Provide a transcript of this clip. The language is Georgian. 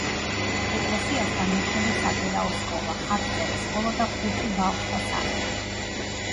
ეკლესიასთან მოქმედებს საკვირაო სკოლა, ხატწერის სკოლა და ხუთი ბავშვთა სახლი.